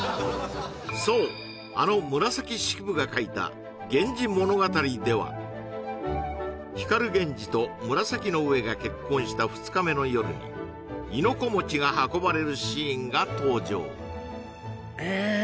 そうあの紫式部が書いた「源氏物語」では光源氏と紫の上が結婚した２日目の夜に亥の子餅が運ばれるシーンが登場えっ